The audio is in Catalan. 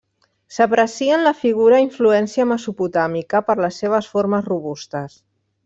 S'aprecia en la figura influència mesopotàmica per les seves formes robustes.